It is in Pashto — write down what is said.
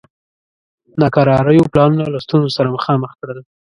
ناکراریو پلانونه له ستونزو سره مخامخ کړل.